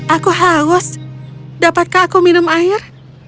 aku haus dapatkah aku minum air